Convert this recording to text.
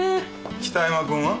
北山君は？